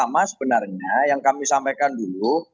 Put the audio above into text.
pertama tama sebenarnya yang kami sampaikan dulu